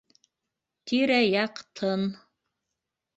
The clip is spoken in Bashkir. Тирә-яҡ тын.